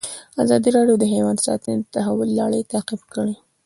ازادي راډیو د حیوان ساتنه د تحول لړۍ تعقیب کړې.